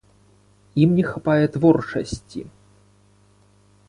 Ім не хапае творчасці.